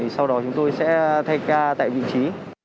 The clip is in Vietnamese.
sau đó chúng tôi sẽ thay ca tại vị trí